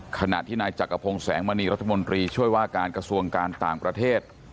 ขณะที่นายจักรพงศ์แสงมณีรัฐมนตรีช่วยว่าการกระทรวงการต่างประเทศ